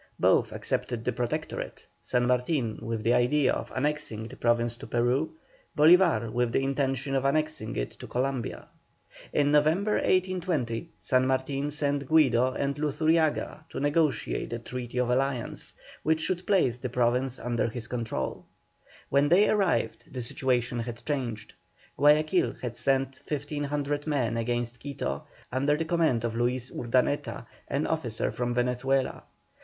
Both accepted the Protectorate, San Martin with the idea of annexing the Province to Peru, Bolívar with the intention of annexing it to Columbia. In November, 1820, San Martin sent Guido and Luzuriaga to negotiate a treaty of alliance, which should place the province under his control; when they arrived the situation had changed. Guayaquil had sent 1,500 men against Quito, under the command of Luis Urdaneta, an officer from Venezuela.